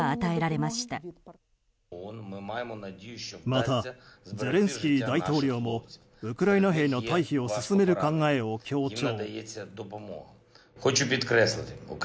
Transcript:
またゼレンスキー大統領もウクライナ兵の退避を進める考えを強調。